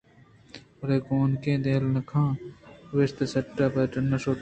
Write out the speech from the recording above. بلے گوکین ءَ آ یلہ نہ کُت ءُآئیءُپُشتءَ سِٹّ جنان ءَ پرآئی ءَ ڈن¬ّ ءَ دئور اِش کُت